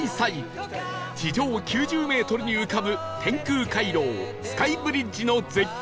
地上９０メートルに浮かぶ天空回廊スカイブリッジの絶景